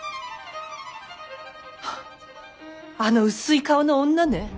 はっあの薄い顔の女ね。